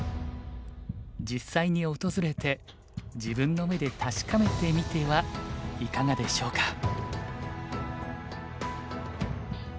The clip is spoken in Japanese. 実際に訪れて自分の目で確かめてみてはいかがでしょうか？